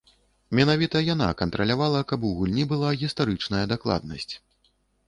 Менавіта яна кантралявала, каб у гульні была гістарычная дакладнасць.